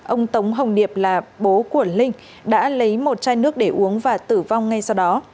ông tống hồng điệp là bố của linh đã lấy một chai nước để uống và tử vong ngay sau đó